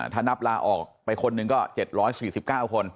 ถ้านับลาออกไปคนหนึ่งก็๗๔๙คน